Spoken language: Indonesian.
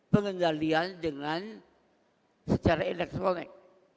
pengendalian dengan secara elektronik